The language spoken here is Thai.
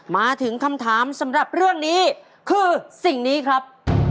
มาถึงคำถามสำหรับเรื่องนี้คือสิ่งนี้ครับ